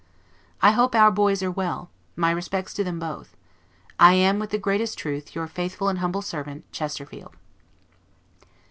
I hope our boys are well; my respects to them both. I am, with the greatest truth, your faithful and humble servant, CHESTERFIELD.